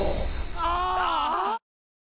ああ。